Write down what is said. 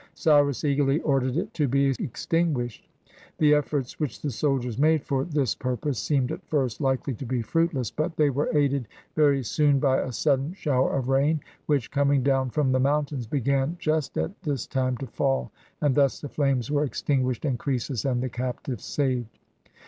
Cyrus eagerly ordered it to be extinguished. The efforts which the soldiers made for this purpose seemed, at first, likely to be fruitless; but they were aided very soon by a sudden shower of rain, which, coming down from the mountains, began, just at 326 HOW CYRUS WON THE LAND OF GOLD this time, to fall; and thus the flames were extinguished, and Croesus and the captives saved.